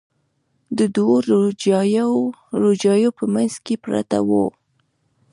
د دوو روجاییو په منځ کې پرته وه.